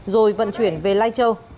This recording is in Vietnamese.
rồi vận chuyển về lai châu